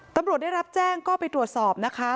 ตำรวจได้รับแจ้งก็ไปตรวจสอบนะคะ